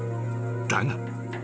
だが］